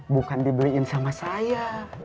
bukan dibeliin sama saya